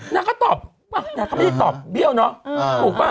นางก็ตอบป่ะนางก็ไม่ได้ตอบเบี้ยวเนอะถูกป่ะ